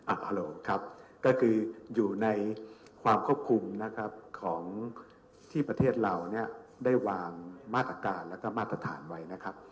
อ่ะฮัลโหลครับก็คืออยู่ในความควบคุมของที่ประเทศเราได้วางมาตรการและมาตรฐานไว้